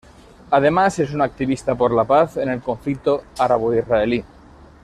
Además es un activista por la paz en el conflicto árabo-israelí.